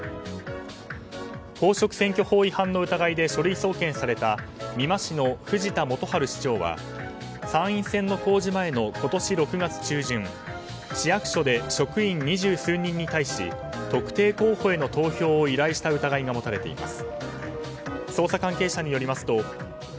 公職選挙法違反の疑いで書類送検された美馬市の藤田元治市長は参院選の公示前の今年６月中旬、市役所で職員二十数人に対し特定候補への投票を依頼した疑いが持たれています。